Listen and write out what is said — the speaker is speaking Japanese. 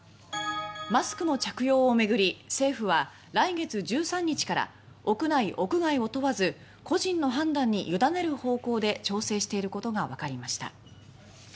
マスクの着用を巡り政府は来月１３日から屋内・屋外を問わず個人の判断に委ねる方向で調整していることがわかりました。